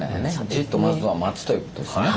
じっとまずは待つということですね。